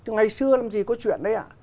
ngày xưa làm gì có chuyện đấy ạ